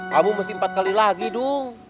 kamu mesti empat kali lagi dung